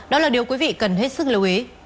đó là điều quý vị cần hết sức lưu ý